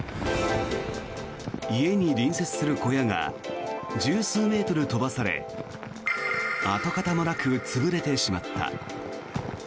家に隣接する小屋が１０数メートル飛ばされ跡形もなく潰れてしまった。